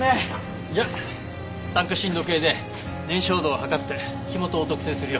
じゃ炭化深度計で燃焼度を測って火元を特定するよ。